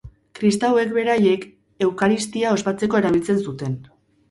Kristauek beraiek Eukaristia ospatzeko erabiltzen zuten.